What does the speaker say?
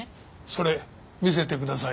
それ見せてください。